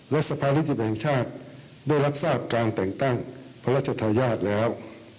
และสภานิติบแห่งชาติได้รับทราบการแต่งตั้งพระราชทายาทแล้ว